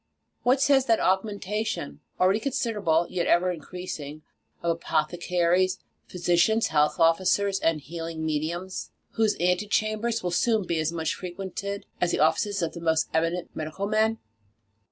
What says that augmentation, already considerable yet ever increasing, of apothecaries, phy sicians, health officers and healing mediums, whose antechambers will soon be as much frequented as the offices of the most eminent medical men?